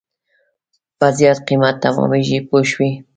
په زیات قیمت تمامېږي پوه شوې!.